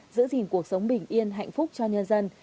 giữ gìn cuộc sống bình yên hạnh phúc cho nhân dân